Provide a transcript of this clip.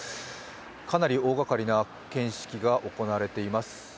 かなり大がかりな鑑識が行われています。